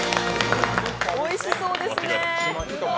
おいしそうですね。